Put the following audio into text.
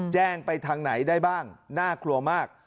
แจ้งไปทางไหนได้บ้างน่ากลัวมาก